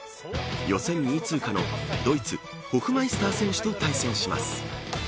予選２位通過のドイツ、ホフマイスター選手と対戦します。